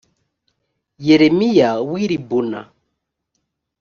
yeremiya w i libuna